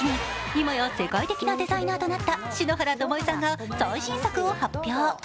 今や世界的なデザイナーとなった篠原ともえさんが最新作を発表。